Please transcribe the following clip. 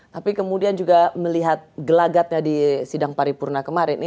tapi kemudian juga melihat gelagatnya di sidang paripurna kemarin